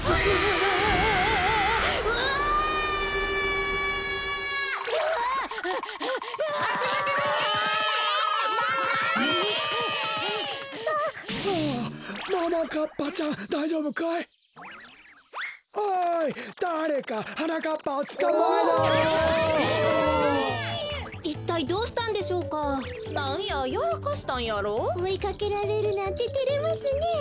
おいかけられるなんててれますねえ。